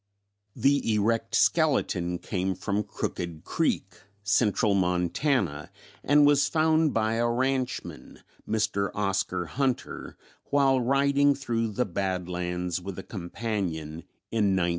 The erect skeleton came from Crooked Creek, central Montana, and was found by a ranchman, Mr. Oscar Hunter, while riding through the bad lands with a companion in 1904.